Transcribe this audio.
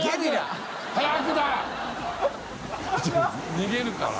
逃げるから。